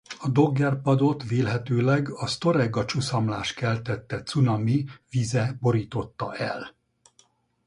A Dogger-padot vélhetőleg a Storegga-csuszamlás keltette cunami vize borította el.